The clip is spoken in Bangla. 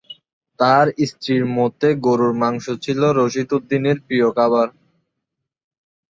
তাঁর স্ত্রীর মতে গরুর মাংস ছিল রশিদ উদ্দিনের প্রিয় খাবার।